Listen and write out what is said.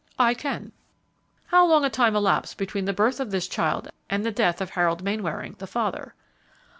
"I can." "How long a time elapsed between the birth of this child and the death of Harold Mainwaring, the father?"